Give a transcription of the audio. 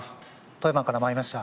富山からまいりました